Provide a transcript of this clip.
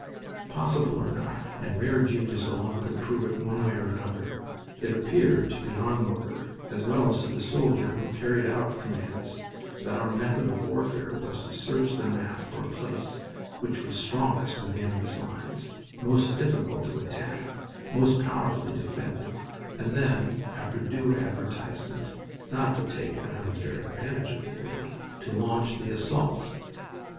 Possible or not, and rare genius alone could prove it one way or another, it appeared to the onlooker, as well as to the soldier who carried out commands that our method of warfare was to search the map for a place which was strongest in the enemy's lines, most difficult to attack, most powerfully defended, and then after due advertisement, not to take an unfair advantage of the enemy, to launch the assault.